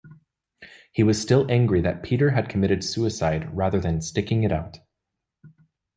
He was still angry that Peter had committed suicide rather than sticking it out.